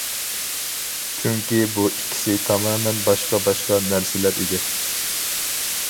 چۈنكى بۇ ئىككىسى تامامەن باشقا باشقا نەرسىلەر ئىدى.